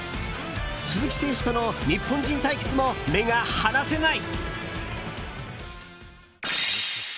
鈴木選手との日本人対決も目が離せない！